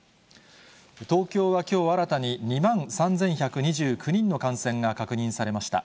東京はきょう新たに２万３１２９人の感染が確認されました。